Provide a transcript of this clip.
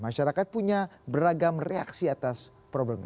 masyarakat punya beragam reaksi atas problem ini